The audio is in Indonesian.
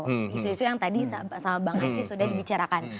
isu isu yang tadi sama banget sudah dibicarakan